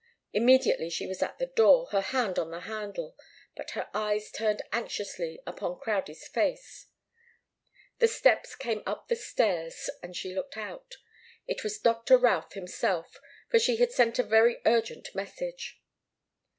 Immediately she was at the door, her hand on the handle, but her eyes turned anxiously upon Crowdie's face. The steps came up the stairs, and she looked out. It was Doctor Routh himself, for she had sent a very urgent message.